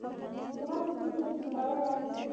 زما د سترګو د حصاره یاغي شوی